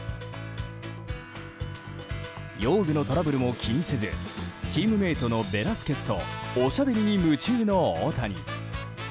用具のトラブルも気にせずチームメートのベラスケスとおしゃべりに夢中の大谷。